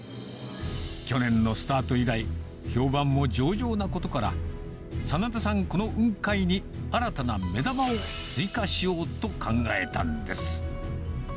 去年のスタート以来、評判も上々なことから、眞田さん、この雲海に新たな目玉を追加しようと考えたんです。